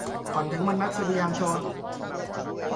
ก่อนถึงวันนัดสืบพยานโจทก์